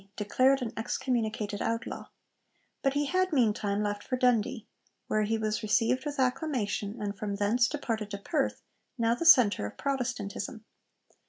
_, declared an excommunicated outlaw: but he had meantime left for Dundee, where he was received with acclamation, and from thence departed to Perth, now the centre of Protestantism.